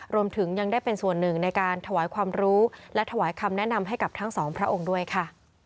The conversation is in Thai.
รวมถึงยังได้เป็นส่วนหนึ่งในการถวายความรู้และถวายคำแนะนำให้กับทั้งสองพระองค์ด้วยค่ะ